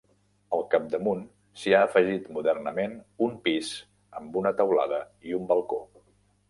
Al capdamunt s'hi ha afegit modernament un pis amb una teulada i un balcó.